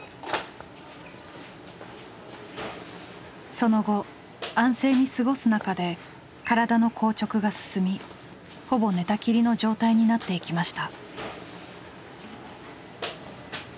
その後安静に過ごす中で体の硬直が進みほぼ寝たきりの状態になっていきました。